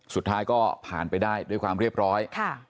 สุดท้ายก็ผ่านไปได้ด้วยความเรียบร้อย